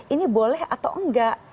ini boleh atau enggak